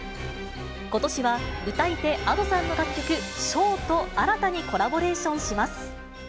ことしは歌い手、Ａｄｏさんの楽曲、唱と新たにコラボレーションします。